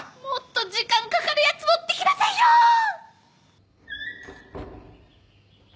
もっと時間かかるやつ持ってきなさいよー！